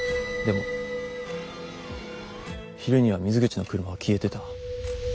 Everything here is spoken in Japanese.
でも昼には水口の車は消えてた。